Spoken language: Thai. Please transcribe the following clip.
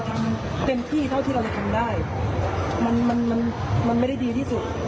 ทำเต็มที่เท่าที่เราจะทำได้มันมันไม่ได้ดีที่สุด